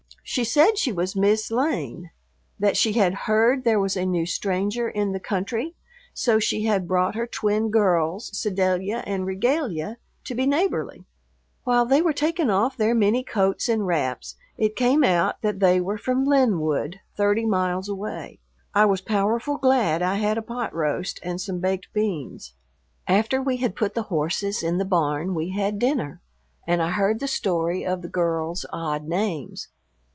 She said she was "Mis' Lane," that she had heard there was a new stranger in the country, so she had brought her twin girls, Sedalia and Regalia, to be neighborly. While they were taking off their many coats and wraps it came out that they were from Linwood, thirty miles away. I was powerful glad I had a pot roast and some baked beans. After we had put the horses in the barn we had dinner and I heard the story of the girls' odd names.